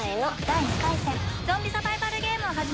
第２回戦ゾンビサバイバルゲームを始めます。